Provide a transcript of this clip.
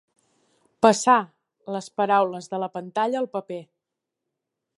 Passar les paraules de la pantalla al paper.